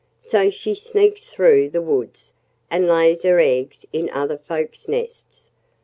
So she sneaks through the woods and lays her eggs in other folk's nests....